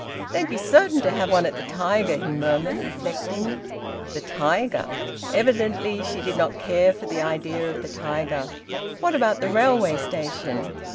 "They'd be certain to have one at the Tiger," he murmured, reflecting. "The Tiger!" Evidently she did not care for the idea of the Tiger. "What about the railway station?"